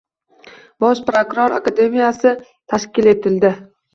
Bosh prokuror akademiyasi tashkil etildi.